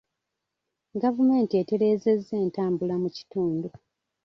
Gavumenti etereezezza entambula mu kitundu.